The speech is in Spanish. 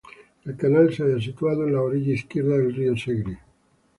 El canal se halla situado en la orilla izquierda del río Segre.